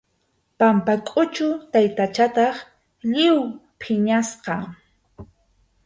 Pampakʼuchu taytachataq lliw phiñasqa.